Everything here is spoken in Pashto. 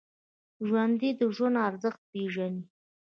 ژوندي د ژوند ارزښت پېژني